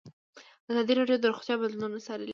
ازادي راډیو د روغتیا بدلونونه څارلي.